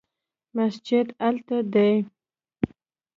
مسجد هلته دی